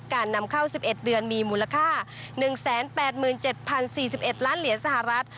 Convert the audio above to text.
การนำเข้า๑๑เดือนมีมูลค่า๑๘๗๐๔๑ล้านเหรียญสหรัฐ